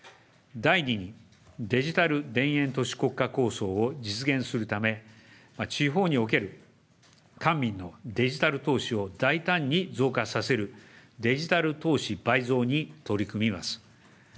第２に、デジタル田園都市国家構想を実現するため、地方における官民のデジタル投資を大胆に増加させるデジタル投資倍増に取り組みます。